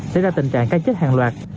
sẽ ra tình trạng ca chết hàng loạt